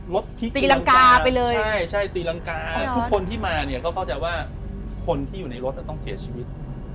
ตีรังกาไปเลยใช่ใช่ตีรังกาทุกคนที่มาเนี่ยก็เข้าใจว่าคนที่อยู่ในรถต้องเสียชีวิต